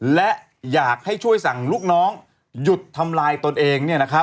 และอยากให้ช่วยสั่งลูกน้องหยุดทำลายตนเอง